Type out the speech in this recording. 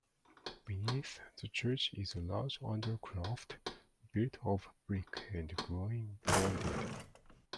Beneath the church is a large undercroft, built of brick and groin vaulted.